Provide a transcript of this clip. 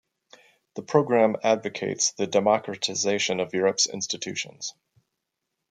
The program advocates the democratisation of Europe's institutions.